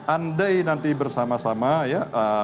andai nanti bersama sama ya